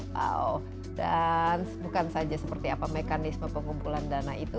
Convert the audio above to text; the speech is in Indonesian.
wow dan bukan saja seperti apa mekanisme pengumpulan dana itu